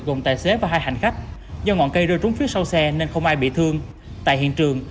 gồm tài xế và hai hành khách do ngọn cây rơi trúng phía sau xe nên không ai bị thương tại hiện trường